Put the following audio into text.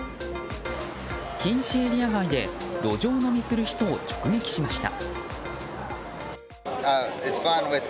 禁止エリア外で路上飲みする人を直撃しました。